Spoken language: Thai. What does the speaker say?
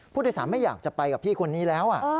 ผู้โดยสารไม่อยากจะไปกับพี่คนนี้แล้ว